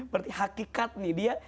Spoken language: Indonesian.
berarti hakikat nih dia